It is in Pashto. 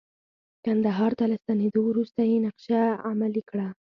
کندهار ته له ستنیدو وروسته یې نقشه عملي کړه.